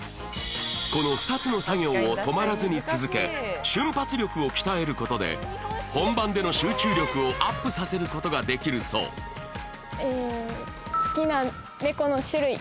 この２つの作業を止まらずに続け瞬発力を鍛えることで本番での集中力をアップさせることができるそうえ